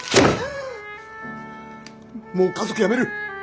もう家族やめる。